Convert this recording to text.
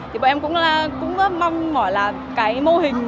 thì bọn em cũng mong mọi là cái mô hình